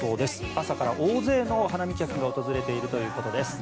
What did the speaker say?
朝から大勢の花見客が訪れているということです。